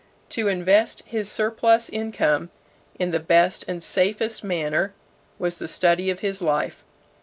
To invest his surplus income in the best and safest manner was the study of his life.